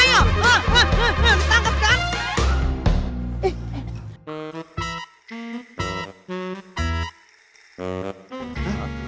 lan lu yang ditangkap